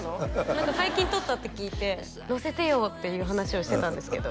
何か最近取ったって聞いて「乗せてよ」っていう話をしてたんですけど